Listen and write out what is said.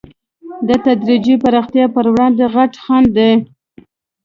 د تدریجي پراختیا پر وړاندې غټ خنډ دی.